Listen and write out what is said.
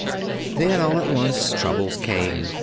Then, all at once, troubles came.